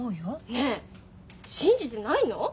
ねえ信じてないの？